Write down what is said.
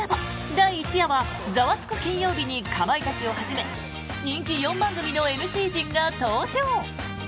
第１夜は「ザワつく！金曜日」にかまいたちをはじめ人気４番組のＭＣ陣が登場。